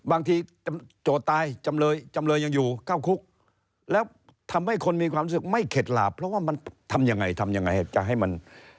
โจทย์ตายจำเลยจำเลยยังอยู่เข้าคุกแล้วทำให้คนมีความรู้สึกไม่เข็ดหลาบเพราะว่ามันทำยังไงทำยังไงจะให้มัน